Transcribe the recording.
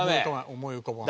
思い浮かばない。